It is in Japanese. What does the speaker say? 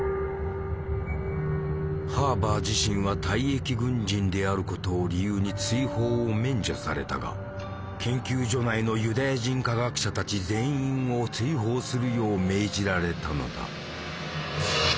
ハーバー自身は退役軍人であることを理由に追放を免除されたが研究所内のユダヤ人科学者たち全員を追放するよう命じられたのだ。